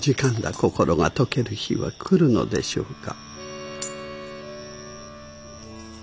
心が解ける日は来るのでしょうか。